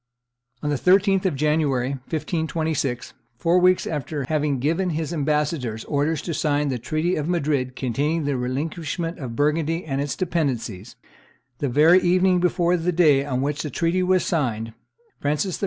And on the 13th of January, 1526, four weeks after having given his ambassadors orders to sign the treaty of Madrid containing the relinquishment of Burgundy and its dependencies, the very evening before the day on which that treaty was signed, Francis I.